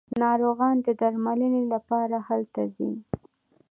ناروغان د درملنې لپاره هلته ځي.